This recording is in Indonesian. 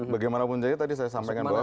bagaimanapun jadi tadi saya sampaikan bahwa